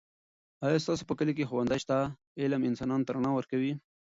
آیا ستاسو په کلي کې ښوونځی شته؟ علم انسان ته رڼا ورکوي.